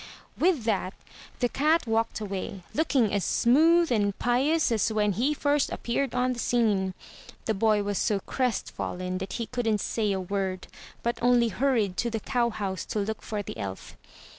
With that the cat walked away, looking as smooth and pious as when he first appeared on the scene. The boy was so crest fallen that he couldn't say a word, but only hurried to the cow house to look for the elf.